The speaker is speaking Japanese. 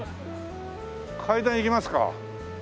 階段いきますか。